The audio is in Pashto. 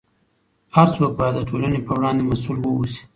هر څوک باید د ټولنې په وړاندې مسؤل واوسي.